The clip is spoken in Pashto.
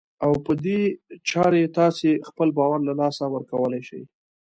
او په دې چارې تاسې خپل باور له لاسه ورکولای شئ.